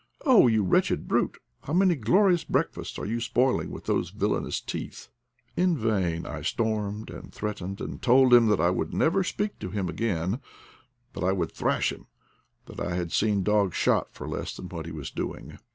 Oh, you wretched brute, how many glorious breakfasts are you spoiling with those villainous teeth I" In vain I stormed and threatened, and told him that I would never speak to him again, that I would thrash him, that I had seen dogs shot for less than what he was doing.